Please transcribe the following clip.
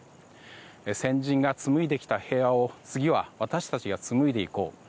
「先人達が紡いできた平和を次は私達が紡いでいこう」。